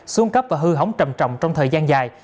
xuân cấp và hư hỏng trầm trọng trong thời gian dài